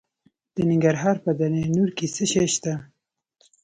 د ننګرهار په دره نور کې څه شی شته؟